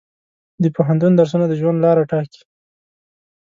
د پوهنتون درسونه د ژوند لاره ټاکي.